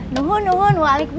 nuhun nuhun waalaikumsalam